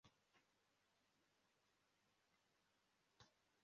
Imbwa izunguruka mu byatsi mu gihe izindi mbwa ebyiri zireba